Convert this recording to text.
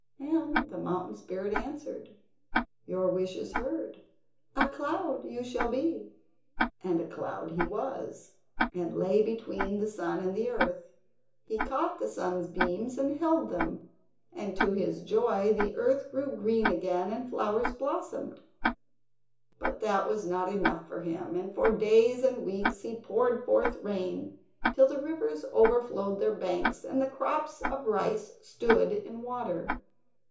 And the mountain spirit answered: "Your wish is heard; a cloud you shall be!" And a cloud he was, and lay between the sun and the earth. He caught the sun's beams and held them, and to his joy the earth grew green again and flowers blossomed. But that was not enough for him, and for days and weeks he poured forth rain till the rivers overflowed their banks, and the crops of rice stood in water.